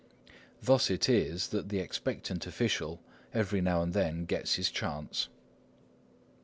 Thus it is that the expectant official every now and then gets his chance.